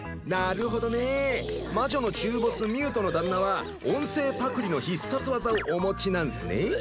なるほどねえ魔女の中ボスミュートの旦那は音声パクリの必殺技をお持ちなんすね？